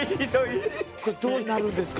これどうなるんですか？